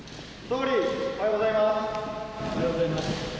おはようございます。